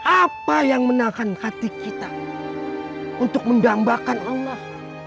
apa yang menahan hati kita untuk mendambakan allah